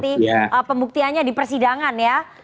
kita tunggu nanti pembuktianya di persidangan ya